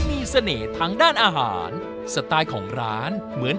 นี่เชอเอมมาเร็ว